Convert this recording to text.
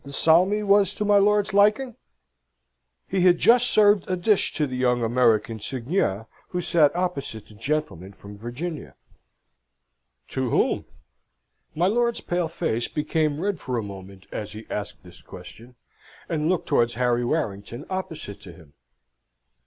The salmi was to my lord's liking? He had just served a dish to the young American seigneur who sate opposite, the gentleman from Virginia. "To whom?" My lord's pale face became red for a moment, as he asked this question, and looked towards Harry Warrington, opposite to him.